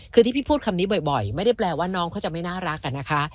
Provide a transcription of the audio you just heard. คือที่พี่พูดคำนี้บ่อยไม่ได้แปลว่าน้องเขาจะไม่น่ารักอะนะคะ